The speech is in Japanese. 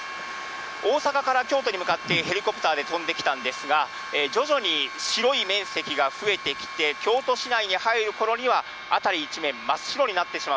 大阪から京都に向かってヘリコプターで飛んできたんですが、徐々に白い面積が増えてきて、京都市内に入るころには、辺り一面、真っ白になってしまう。